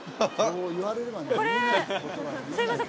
これすいません